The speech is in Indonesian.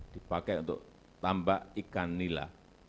dipakai untuk tambak ikan nila